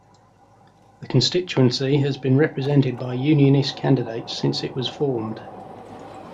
The constituency has been represented by Unionist candidates since it was formed.